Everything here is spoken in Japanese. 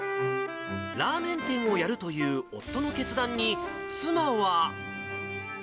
ラーメン店をやるという夫の決断に、妻は。